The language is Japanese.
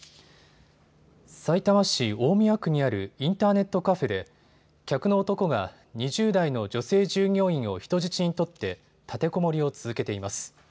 さいたま市大宮区にあるインターネットカフェで客の男が２０代の女性従業員を人質に取って立てこもりを続けています。